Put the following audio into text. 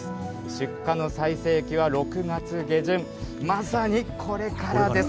出荷の最盛期は６月下旬、まさにこれからです。